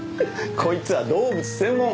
こいつは動物専門。